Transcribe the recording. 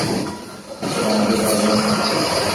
ও আমাদের দারুণভাবে মারছে।